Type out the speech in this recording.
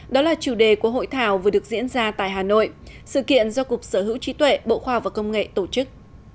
đó là chủ đề của hội thảo vừa được diễn ra tại hà nội sự kiện do cục sở hữu trí tuệ bộ khoa và công nghệ tổ chức